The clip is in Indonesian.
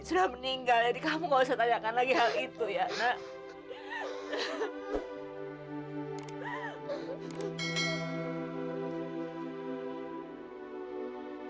sudah meninggal jadi kamu gak usah tanyakan lagi hal itu ya